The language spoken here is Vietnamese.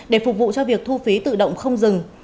để phục vụ cho việc thu phí tự động không dừng